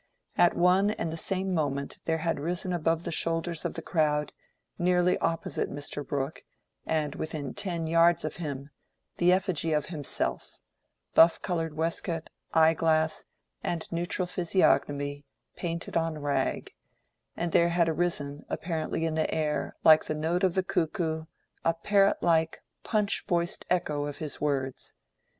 At one and the same moment there had risen above the shoulders of the crowd, nearly opposite Mr. Brooke, and within ten yards of him, the effigy of himself: buff colored waistcoat, eye glass, and neutral physiognomy, painted on rag; and there had arisen, apparently in the air, like the note of the cuckoo, a parrot like, Punch voiced echo of his words.